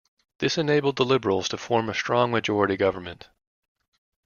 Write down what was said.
This enabled the Liberals to form a strong majority government.